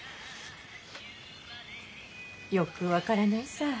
よく分からないさぁ。